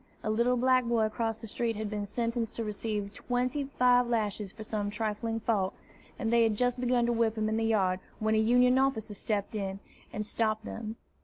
A little black boy across the street had been sentenced to receive twenty five lashes for some trifling fault, and they had just begun to whip him in the yard, when a Union officer stepped up and stopped them.